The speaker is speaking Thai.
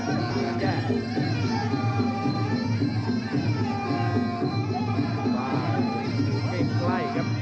หลายดูกลุ่มที่ก็ไม่ไกลครับ